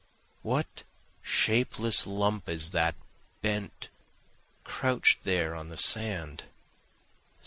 What shapeless lump is that, bent, crouch'd there on the sand?